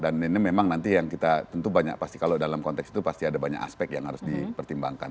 dan ini memang nanti yang kita tentu banyak pasti kalau dalam konteks itu pasti ada banyak aspek yang harus dipertimbangkan